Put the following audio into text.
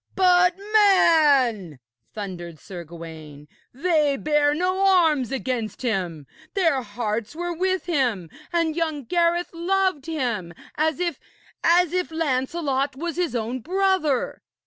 'But, man,' thundered Sir Gawaine, 'they bare no arms against him! Their hearts were with him, and young Gareth loved him as if as if Lancelot was his own brother.'